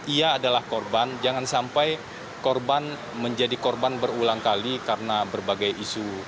ia adalah korban jangan sampai korban menjadi korban berulang kali karena berbagai isu